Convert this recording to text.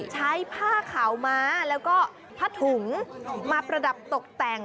ใช้ผ้าขาวม้าแล้วก็ผ้าถุงมาประดับตกแต่ง